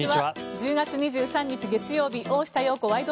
１０月２３日、月曜日「大下容子ワイド！